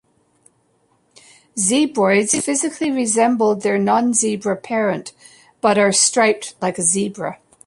Zebroids physically resemble their nonzebra parent, but are striped like a zebra.